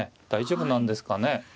大丈夫なんですかね。